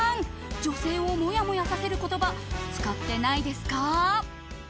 女性をもやもやさせる言葉使ってないですか？